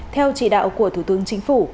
theo chỉ đạo của thủ tướng chính phủ